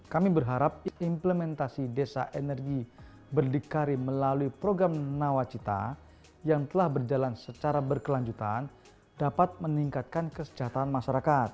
kami berharap implementasi desa energi berdikari melalui program nawacita yang telah berjalan secara berkelanjutan dapat meningkatkan kesejahteraan masyarakat